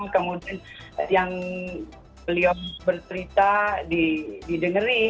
kemudian yang beliau bercerita didengeri